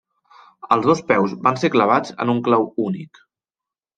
Els dos peus van ser clavats en un clau únic.